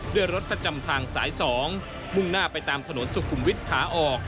ด้วยรถประจำทางสาย๒มุ่งหน้าไปตามถนนสุขุมวิทย์ขาออก